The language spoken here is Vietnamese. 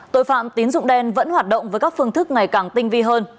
tội phạm tín dụng đen vẫn hoạt động với các phương thức ngày càng tinh vi hơn